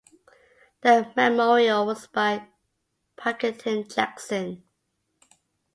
The memorial was by Pilkington Jackson.